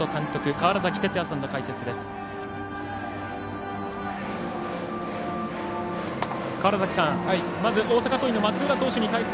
川原崎哲也さんの解説です。